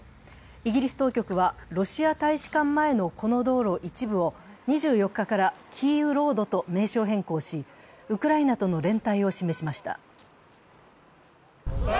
イギリス当局はロシア大使館前のこの道路一部を２４日からキーウ・ロードと名称変更し、ウクライナとの連帯を示しました。